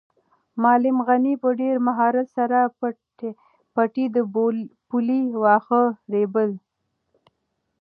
معلم غني په ډېر مهارت سره د پټي د پولې واښه رېبل.